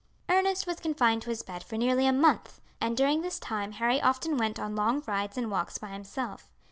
Ernest was confined to his bed for nearly a month, and during this time Harry often went long rides and walks by himself.